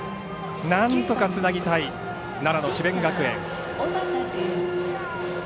なんとかつなぎたい奈良の智弁学園。